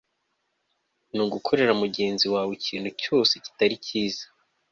ni ugukorera mugenzi waweikintu cyose kitari cyiza